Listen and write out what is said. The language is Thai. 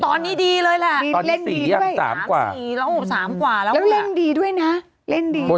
ตอนนี้ดีเลยล่ะเล่นดีด้วยแล้วเล่นดีด้วยนะเล่นดีด้วย